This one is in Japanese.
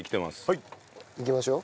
はいいきましょう。